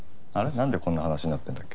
なんでこんな話になってるんだっけ？